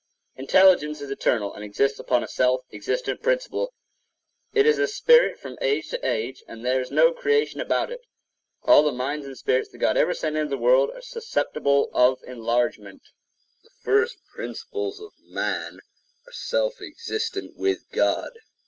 Intelligence is eternal and exists upon a self existent principle. It is a spirit 9 from age to age, and there is no creation about it. All the minds and spirits that God ever sent into the world are susceptible of enlargement. The Power to Advance in Knowledge[edit] The first principles of man are self existent with God.